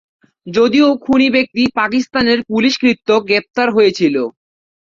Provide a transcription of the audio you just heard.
যদিও খুনি ব্যক্তি পাকিস্তানের পুলিশ কর্তৃক গ্রেফতার হয়েছিলো।